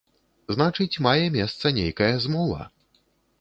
Значыць, мае месца нейкая змова.